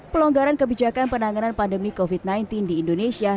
pelonggaran kebijakan penanganan pandemi covid sembilan belas di indonesia